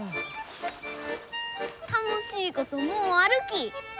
楽しいこともうあるき。